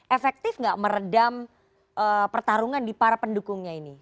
efektif nggak meredam pertarungan di para pendukungnya ini